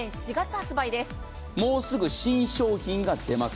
もうすぐ新商品が出ます。